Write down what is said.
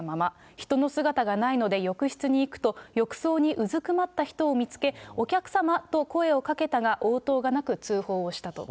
人の姿がないので、浴室に行くと、浴槽にうずくまった人を見つけ、お客様と声をかけたが、応答がなく、通報をしたと。